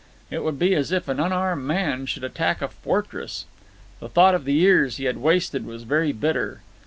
It would be as if an unarmed man should attack a fortress. The thought of the years he had wasted was very bitter.